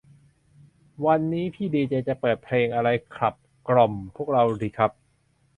วันนี้พี่ดีเจจะเปิดเพลงอะไรขับกล่อมพวกเราดีครับ